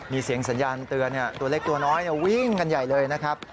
มีเสียงสัญญาณเตือนตัวเล็กตัวน้อยวิ่งกันใหญ่เลยนะครับ